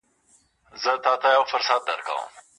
آیا قصاص د ژوند ساتونکی نه دی؟